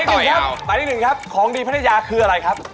หมายได้๑ครับของดีพระนัยาคืออะไรครับ